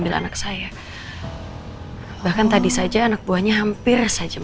kalau seperti ini tapi gue emang muarcape dream